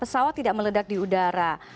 pesawat tidak meledak di udara